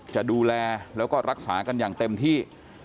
จะดูแลแล้วก็รักษากันอย่างเต็มที่